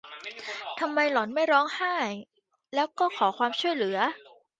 ทำไมหล่อนไม่ร้องไห้แล้วก็ขอความช่วยเหลือ ?